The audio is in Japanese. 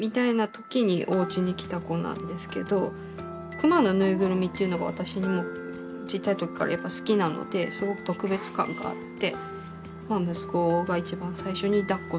クマのぬいぐるみっていうのが私もちっちゃい時からやっぱり好きなのですごく特別感があって。